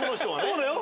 そうだよ。